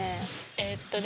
えっとね